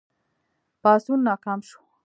پاڅون ناکام شو.